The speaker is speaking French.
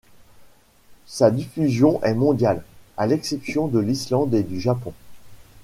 Sa diffusion est mondiale, à l'exception de l'Islande et du Japon.